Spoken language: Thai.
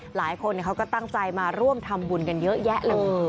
หลายคนเขาก็ตั้งใจมาร่วมทำบุญกันเยอะแยะเลย